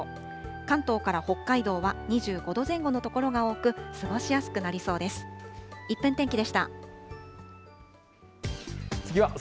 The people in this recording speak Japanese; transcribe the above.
関東から北海道は２５度前後の所が多く、過ごしやすくなりそうです。